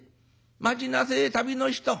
待ちなせえ旅の人。